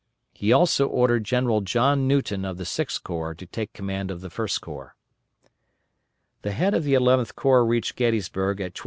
He also ordered General John Newton of the Sixth Corps to take command of the First Corps. The head of the Eleventh Corps reached Gettysburg at 12.